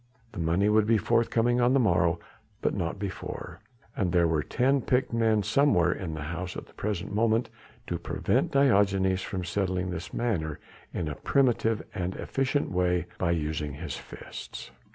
The money would be forthcoming on the morrow but not before, and there were ten picked men somewhere in the house at the present moment to prevent Diogenes from settling this matter in a primitive and efficient way by using his fists.